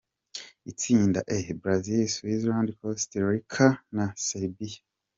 Itsinda E: Brazil, Switzerland, Costa Rica, Serbia.